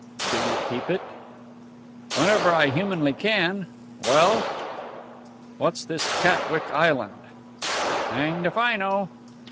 "Do you keep it?" "Whenever I humanly can. Well?" "What's this Catwick Island?" "Hanged if I know!"